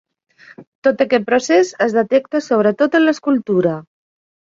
Tot aquest procés es detecta sobretot en l'escultura.